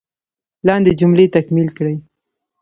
لاندې جملې تکمیل کړئ.